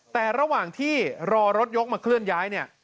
แต่ระหว่างที่รอรถยกมาเคลื่อนย้ายเนี่ย